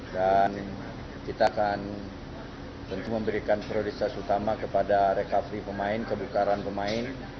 dan kita akan memberikan prioritas utama kepada recovery pemain kebukaran pemain